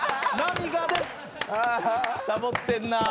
サボってんなぁ。